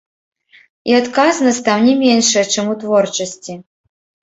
І адказнасць там не меншая, чым у творчасці.